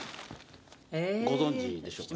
ご存じでしょうかね？